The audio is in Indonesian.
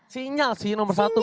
sinyal sih nomor satu